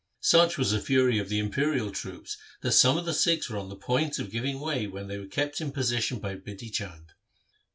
Such was the fury of the imperial troops that some of the Sikhs were on the point of giving way when they were kept in position by Bidhi Chand.